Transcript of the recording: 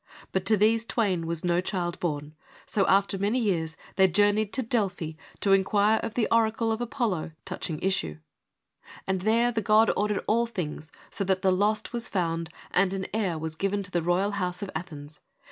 But to these twain was no child born; so, after many years, they journeyed to Delphi to inquire of the oracle of Apollo touching issue. And there the God ordered all things so that the lost was found, and an heir was given to the royal house of Athens.